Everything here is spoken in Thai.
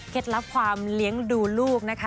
ลับความเลี้ยงดูลูกนะคะ